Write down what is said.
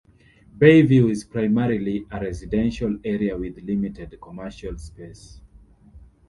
Bayview is primarily a residential area with limited commercial space.